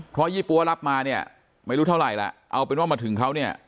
เพราะยี่ปั๊วรับมาเนี่ยไม่รู้เท่าไหร่ล่ะเอาเป็นว่ามาถึงเขาเนี่ย